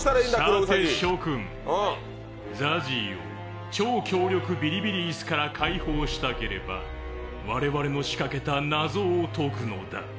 さて、諸君、ＺＡＺＹを超強力ビリビリ椅子から解放したければ我々の仕掛けた謎を解くのだ。